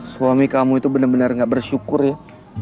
suami kamu itu bener bener gak bersyukur ya